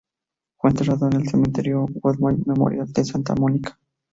Fue enterrado en el Cementerio Woodlawn Memorial de Santa Mónica.